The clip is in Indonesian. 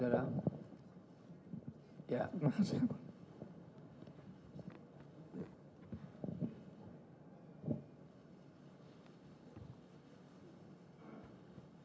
jangan jangan jangan jangan jangan jangan jangan jangan jangan jangan jangan jangan jangan jangan